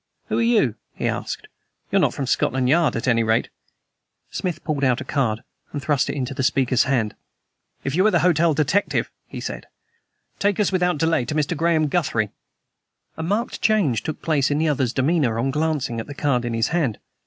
"Who are you?" he asked. "You're not from Scotland Yard, at any rate!" Smith pulled out a card and thrust it into the speaker's hand. "If you are the hotel detective," he said, "take us without delay to Mr. Graham Guthrie." A marked change took place in the other's demeanor on glancing at the card in his hand.